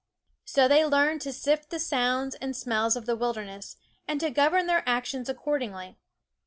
So they learn to sift the sounds and smells of the wilder ness, and to govern their actions accordingly.